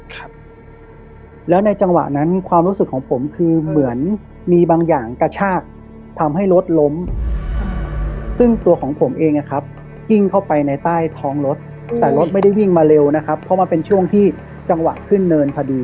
ครับแล้วในจังหวะนั้นความรู้สึกของผมคือเหมือนมีบางอย่างกระชากทำให้รถล้มซึ่งตัวของผมเองนะครับวิ่งเข้าไปในใต้ท้องรถแต่รถไม่ได้วิ่งมาเร็วนะครับเพราะมันเป็นช่วงที่จังหวะขึ้นเนินพอดี